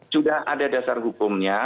sudah ada dasar hukumnya